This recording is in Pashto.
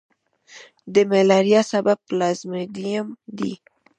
د ملیریا سبب پلازموډیم دی.